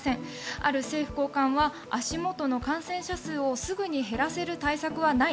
ある政府高官は足元の感染者数をすぐに減らせる対策はない。